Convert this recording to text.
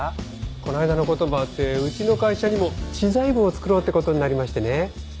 この間のこともあってうちの会社にも知財部をつくろうってことになりましてね。